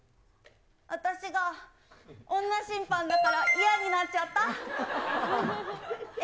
私が女審判だから嫌になっちゃった？え？